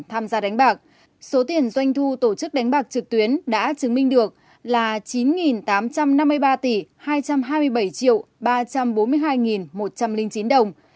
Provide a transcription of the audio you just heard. tham gia đánh bạc số tiền doanh thu tổ chức đánh bạc trực tuyến đã chứng minh được là chín tám trăm năm mươi ba tỷ hai trăm hai mươi bảy ba trăm bốn mươi hai một trăm linh chín đồng